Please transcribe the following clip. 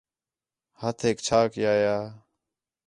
ہتھیک چھا کَیا یا